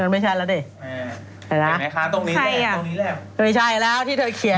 ไม่ใช่แล้วดิเห็นไหมคะตรงนี้แหล่ะที่เธอเขียนอ่ะ